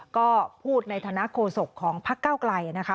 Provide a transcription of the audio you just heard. ก็พูดในฐานะโคศกของพักเก้าไกลนะคะ